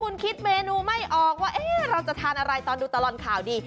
คุณคิดเมนูไม่ออกว่าเราจะทานอะไรตอนดูตลอดข่าวดี